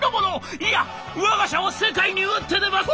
いやわが社は世界に打って出ます！